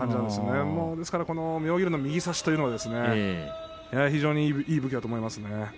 ですから妙義龍の右差しというのは非常にいい武器だと思いますね。